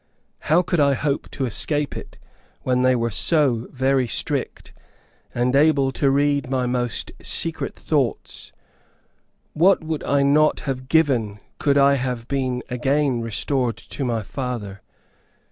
How could I hope to escape it, when they were so very strict, and able to read my most secret thoughts? What would I not have given could I have been again restored to my father?